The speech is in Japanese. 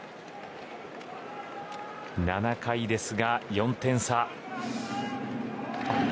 ７回ですが４点差。